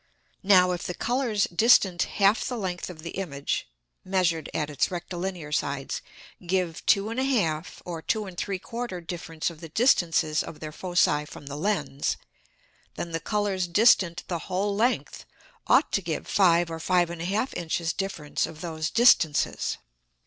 Now, if the Colours distant half the Length of the Image, (measured at its Rectilinear Sides) give 2 1/2 or 2 3/4 Difference of the distances of their Foci from the Lens, then the Colours distant the whole Length ought to give 5 or 5 1/2 Inches difference of those distances.